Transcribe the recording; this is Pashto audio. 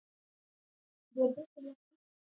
ازادي راډیو د عدالت په اړه د راتلونکي هیلې څرګندې کړې.